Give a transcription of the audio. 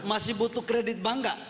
masih butuh kredit bank nggak